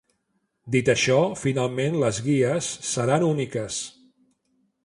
Dit això, finalment les guies seran úniques.